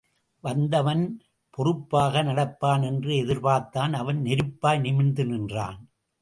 வந்தவன் பொறுப்பாக நடப்பான் என்று எதிர்பார்த்தான் அவன் நெருப்பாய் நிமிர்ந்து நின்றான்.